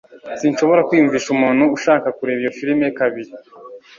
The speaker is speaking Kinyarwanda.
Sinshobora kwiyumvisha umuntu ushaka kureba iyo firime kabiri